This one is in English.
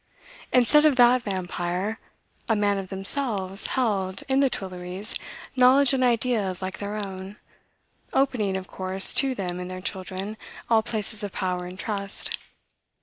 Instead of that vampire, a man of themselves held, in the Tuilleries, knowledge and ideas like their own, opening, of course, to them and their children, all places of power and trust.